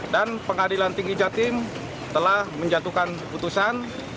dan pengadilan tinggi jatim telah menjatuhkan putusan